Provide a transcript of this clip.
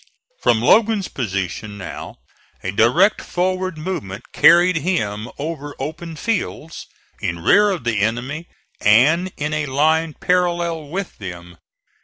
From Logan's position now a direct forward movement carried him over open fields, in rear of the enemy and in a line parallel with them.